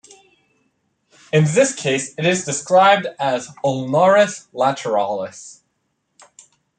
In this case it is described as "ulnaris lateralis".